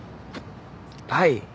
はい。